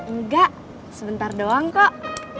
enggak sebentar doang kok